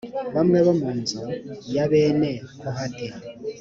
bamwe bo mu mazu ya bene kohati